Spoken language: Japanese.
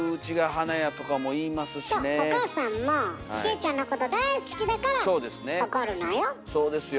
お母さんもしえちゃんのこと大好きだから怒るのよ。